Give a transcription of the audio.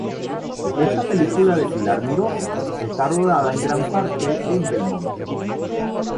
Esta película de Pilar Miró está rodada en gran parte en Belmonte.